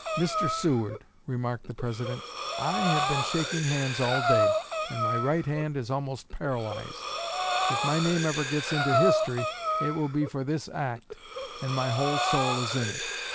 "Mr. Seward," remarked the President, "I have been shaking hands all day, and my right hand is almost paralyzed. If my name ever gets into history, it will be for this act, and my whole soul is in it.